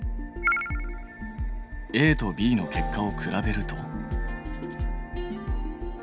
ＡとＢの結果を比べると。